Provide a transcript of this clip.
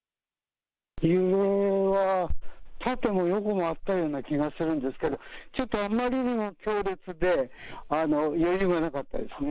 揺れは縦も横もあったような気がするんですけど、ちょっとあまりにも強烈で、余裕がなかったですね。